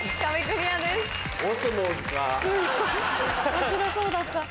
面白そうだった。